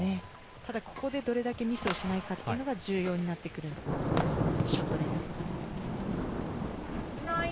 ただ、ここでどれだけミスをしないかというのが重要になってくるショットです。